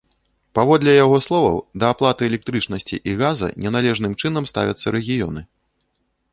Паводле яго словаў, да аплаты электрычнасці і газа неналежным чынам ставяцца рэгіёны.